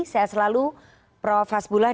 saya selalu prof hasbullah